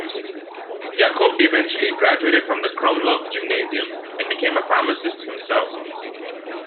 Jakub eventually graduated from the Krumlov Gymnasium, and became a pharmacist himself.